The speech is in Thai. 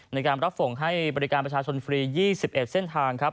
ในการรับส่งให้บริการประชาชนฟรี๒๑เส้นทางครับ